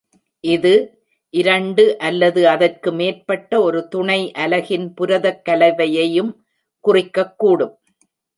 இது, இரண்டு அல்லது அதற்கு மேற்பட்ட ஒரு துணை அலகின் புரதக் கலவையையும் குறிக்கக் கூடும்.